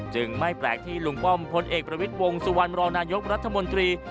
ไม่แปลกที่ลุงป้อมพลเอกประวิทย์วงสุวรรณรองนายกรัฐมนตรี